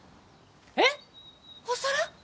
えっ？お皿！？